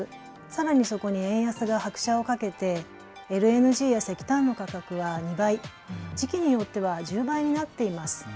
さらにそこに円安が拍車をかけてＬＮＧや石炭の価格は２倍、時期によっては１０倍になっています。